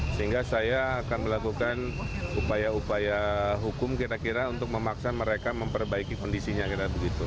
sehingga saya akan melakukan upaya upaya hukum kira kira untuk memaksa mereka memperbaiki kondisinya